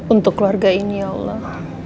untuk keluarga ini ya allah